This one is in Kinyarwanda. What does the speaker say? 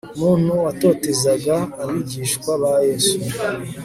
muntu watotezaga abigishwa ba yesu